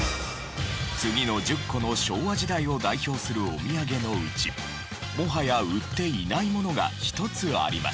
次の１０個の昭和時代を代表するおみやげのうちもはや売っていないものが１つあります。